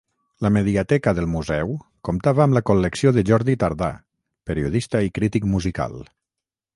La mediateca del museu, comptava amb la col·lecció de Jordi Tardà, periodista i crític musical.